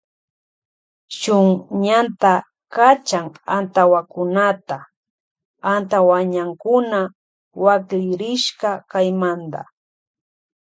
Shun ñanta kachan antawakunata antawañankuna waklirishka kaymanta.